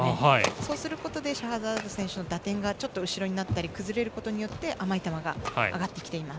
そうすることでシャハザード選手の打点が少し後ろになったり崩れることによって甘い球が上がってきています。